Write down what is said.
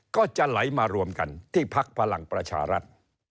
ก็จะไหลมารวมกันที่พักพลังประชารัฐ